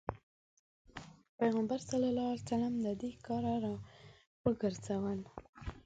پيغمبر ص له دې کاره راوګرځول.